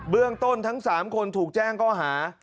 เรื่องต้นทั้ง๓คนถูกแจ้งข้อหา